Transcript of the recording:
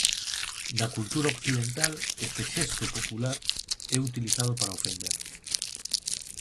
Na cultura occidental este xesto popular é utilizado para ofender.